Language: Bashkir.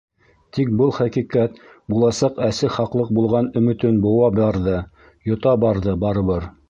Тик был хәҡиҡәт, буласаҡ әсе хаҡлыҡ булған өмөтөн быуа барҙы, йота барҙы барыбер.